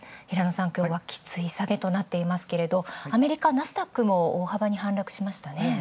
平野さん、今日はきつい下げとなっていますがアメリカナスダックも大幅に反落しましたね。